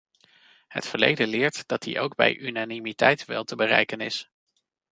Het verleden leert dat die ook bij unanimiteit wel te bereiken is.